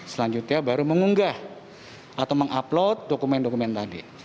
selanjutnya baru mengunggah atau meng upload dokumen dokumen tadi